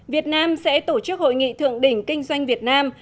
việt nam sẽ tổ chức hội nghị thượng đỉnh kinh doanh việt nam